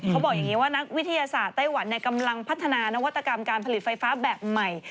เขาบอกอย่างนี้ว่านักวิทยาศาสตร์ไต้หวันกำลังพัฒนานวัตกรรมการผลิตไฟฟ้าแบบใหม่